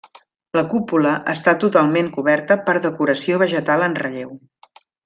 La cúpula està totalment coberta per decoració vegetal en relleu.